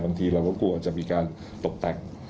บางทีเราก็กลัวพูดว่าจะมีการตกตัก